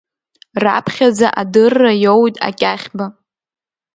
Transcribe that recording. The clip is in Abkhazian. Раԥхьаӡа адырра иоуит Акьахьба.